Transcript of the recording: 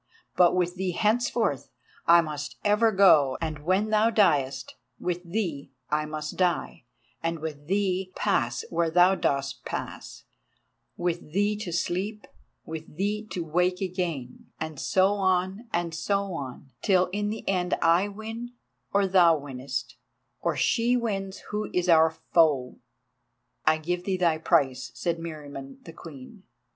But with thee henceforth I must ever go—and when thou diest, with thee must I die, and with thee pass where thou dost pass—with thee to sleep, with thee to awake again—and so, on and on, till in the end I win or thou winnest, or she wins who is our foe!" "I give thee thy price," said Meriamun the Queen.